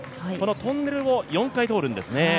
トンネルを４回通るんですね。